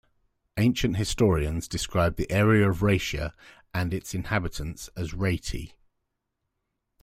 Ancient historians described the area as Raetia and its inhabitants as Raeti.